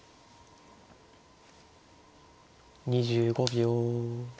２５秒。